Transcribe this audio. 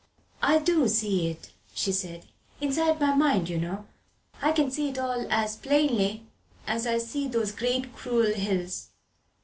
"I do see it," she said, "inside my mind, you know. I can see it all as plainly as I see these great cruel hills."